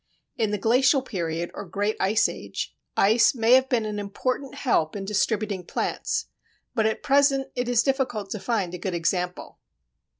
In the Glacial period or Great Ice Age, ice may have been an important help in distributing plants, but at present it is difficult to find a good example.